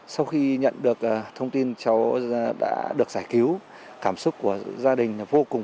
sau khi nhận được thông tin cháu đã được giải cứu cảm xúc của gia đình vô cùng